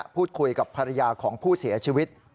พูดคุยกับภรรยาของผู้เสียชีวิต